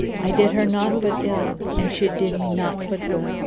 I did her nought but ill and she did me nought but good.